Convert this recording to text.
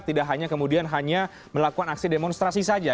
tidak hanya kemudian hanya melakukan aksi demonstrasi saja